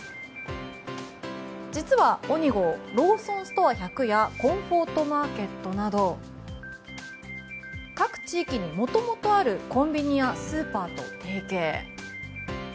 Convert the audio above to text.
実はＯｎｉＧＯローソンストア１００やコンフォートマーケットなど各地域にもともとあるコンビニやスーパーと提携。